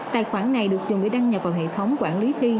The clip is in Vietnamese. tài khoản này được dùng để đăng nhập vào hệ thống quản lý thi